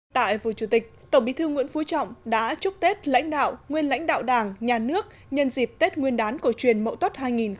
tại vụ chủ tịch tổng bí thư nguyễn phú trọng đã chúc tết lãnh đạo nguyên lãnh đạo đảng nhà nước nhân dịp tết nguyên đán của truyền mẫu tốt hai nghìn một mươi tám